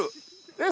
えっ！